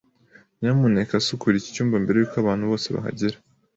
Nyamuneka sukura iki cyumba mbere yuko abantu bose bahagera.